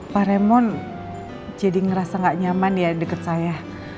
pak raymond jadi ngerasa gak nyaman ya deket saya